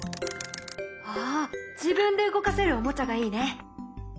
あ自分で動かせるおもちゃがいいね。